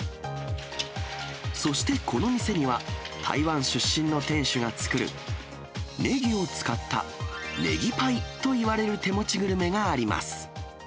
そしてこの店には、台湾出身の店主が作る、ネギを使ったネギパイといわれる手持ちグルメがあります。